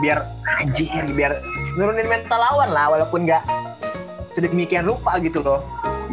biar ngaji ini biar nurunin mental lawan lah walaupun gak sedemikian rupa gitu loh